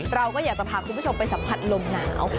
เราก็อยากจะพาคุณผู้ชมไปสัมผัสลมหนาว